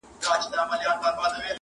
د هجران تبي نیولی ستا له غمه مړ به سمه.!